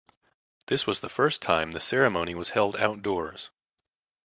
This was the first time the ceremony was held outdoors.